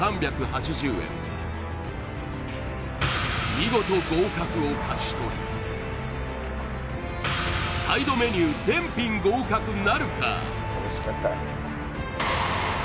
見事合格を勝ち取りサイドメニュー全品合格なるか？